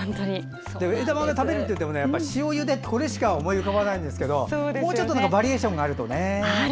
でも、枝豆を食べるといっても塩ゆでしか思い浮かばないんですけどもうちょっとバリエーションがあると。